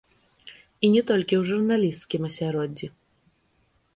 І не толькі ў журналісцкім асяроддзі.